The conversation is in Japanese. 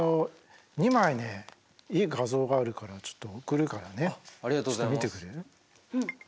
２枚ねいい画像があるからちょっと送るからねちょっと見てくれる？